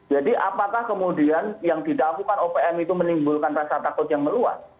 jadi apakah kemudian yang didakukan opm itu menimbulkan rasa takut yang meluas